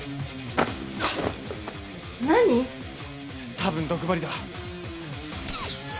多分毒針だ！